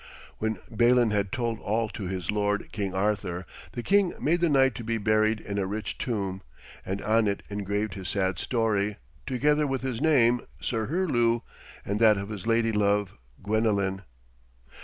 When Balin had told all to his lord, King Arthur, the king made the knight to be buried in a rich tomb, and on it engraved his sad story, together with his name, Sir Herlew, and that of his lady love, Gwenellen.